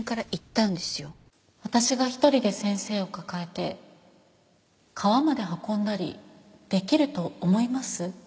私が一人で先生を抱えて川まで運んだりできると思います？